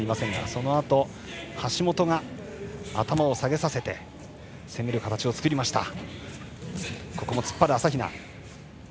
そのあと橋本が頭を下げさせて攻める形を作りました。